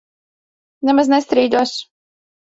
Nemaz nestrīdos.